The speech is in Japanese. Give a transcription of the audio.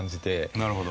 なるほど。